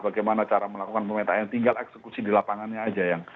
bagaimana cara melakukan pemetaan yang tinggal eksekusi di lapangannya aja